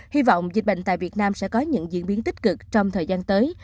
hy vọng dịch bệnh tại việt nam sẽ có những diễn biến tích cực trong thời gian tới